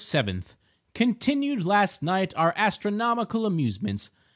—Continued last night our astronomical amusements.